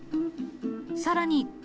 さらに。